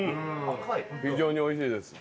非常においしいです。